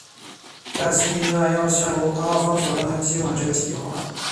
黛丝碧娜要求阿方索让她接管这个计画。